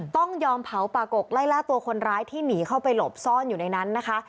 ต้องยอมเผาปากกกไล่ล่าตัวคนร้ายที่หนีเข้าไปหลบซ่อนอยู่ในนั้นนะคะ